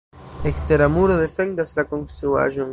Ekstera muro defendas la konstruaĵon.